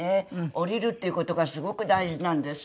降りるっていう事がすごく大事なんですって。